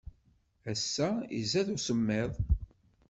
Ass-a, izad usemmiḍ.